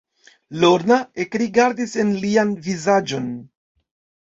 Lorna ekrigardis en lian vizaĝon.